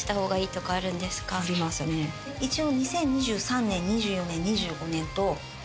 一応。